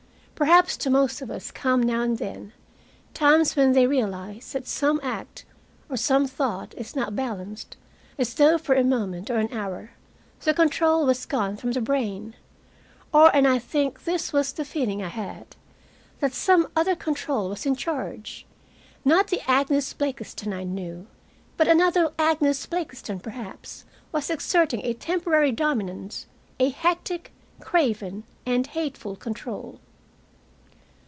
Perhaps to most of us come now and then times when they realize that some act, or some thought, is not balanced, as though, for a moment or an hour, the control was gone from the brain. Or and I think this was the feeling I had that some other control was in charge. Not the Agnes Blakiston I knew, but another Agnes Blakiston, perhaps, was exerting a temporary dominance, a hectic, craven, and hateful control.